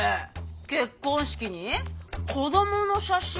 結婚式に子どもの写真？